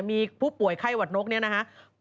มีผู้ป่วยไข้หวัดนกนี้นะฮะ